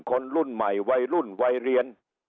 คนรุ่นใหม่วัยรุ่นวัยเรียน